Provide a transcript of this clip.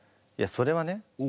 いやそれはね